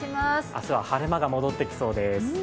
明日は晴れ間が戻ってきそうです。